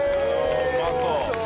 うまそう！